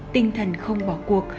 tinh thần không bỏ cuộc